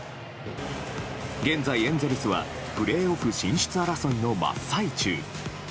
現在エンゼルスはプレーオフ進出争いの真っ最中。